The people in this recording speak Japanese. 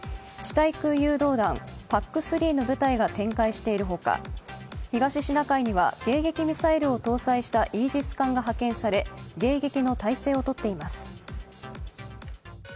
対空誘導弾ＰＡＣ３の部隊が展開しているほか、展開しているほか、東シナ海には迎撃ミサイルを搭載したイージス艦が派遣され、迎撃の態勢を取っています。